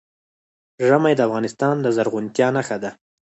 ژمی د افغانستان د زرغونتیا نښه ده.